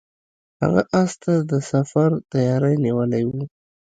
هغه اس ته د سفر تیاری نیولی و.